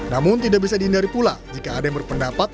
namun tidak bisa dihindari pula jika ada yang berpendapat